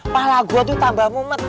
pala gua tuh tambah mumet